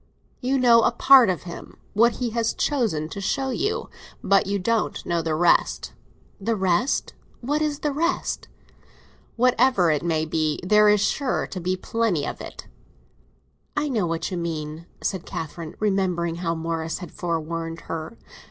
"You know a part of him—what he has chosen to show you. But you don't know the rest." "The rest? What is the rest?" "Whatever it may be. There is sure to be plenty of it." "I know what you mean," said Catherine, remembering how Morris had forewarned her.